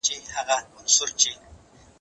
تا چي ول بالا به مېلمانه ولاړ وي باره هغوی ناست ول